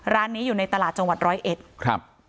ร้านนี้อยู่ในตลาดจังหวัดร้อยเอ็ดครับ